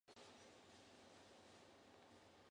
楽しい